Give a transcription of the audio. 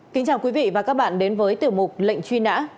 kính chào quý vị và các bạn đến với tiểu mục lệnh truy nã